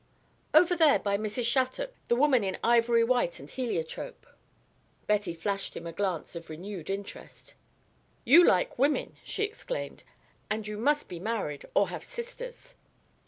"Over there by Mrs. Shattuc, the woman in ivory white and heliotrope." Betty flashed him a glance of renewed interest. "You like women," she exclaimed. "And you must be married, or have sisters."